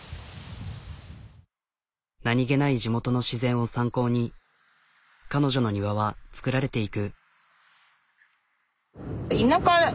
何気ない地元の自然を参考に彼女の庭は造られていく。